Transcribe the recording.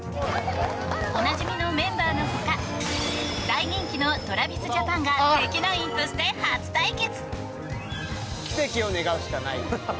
おなじみのメンバーのほか大人気のＴｒａｖｉｓＪａｐａｎが敵ナインとして初対決。